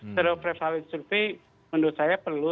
sebagai prevalent survei menurut saya perlu